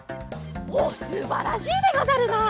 おっすばらしいでござるな。